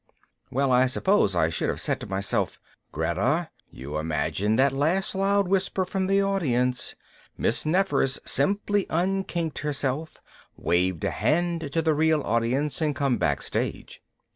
Well, I suppose I should have said to myself, _Greta, you imagined that last loud whisper from the audience. Miss Nefer's simply unkinked herself, waved a hand to the real audience and come back stage.